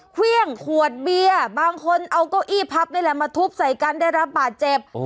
เครื่องขวดเบียร์บางคนเอาเก้าอี้พับนี่แหละมาทุบใส่กันได้รับบาดเจ็บ